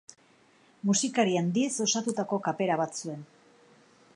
Musikari handiez osatutako kapera bat zuen.